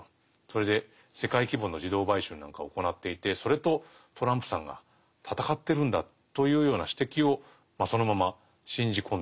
それで世界規模の児童売春なんかを行っていてそれとトランプさんが戦ってるんだというような指摘をそのまま信じ込んでですね